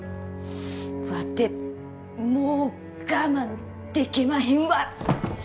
ワテもう我慢でけまへんわ！